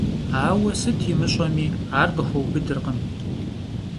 Aue sıt yimış'emi, ar khıxueubıdırkhım.